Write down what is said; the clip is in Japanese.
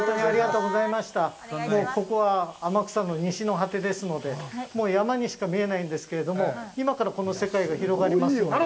ここは、天草の西の果てですので山にしか見えないんですけれども今から、この世界が広がりますので。